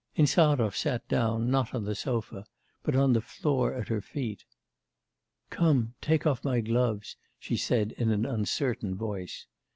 Insarov sat down, not on the sofa, but on the floor at her feet. 'Come, take off my gloves,' she said in an uncertain voice.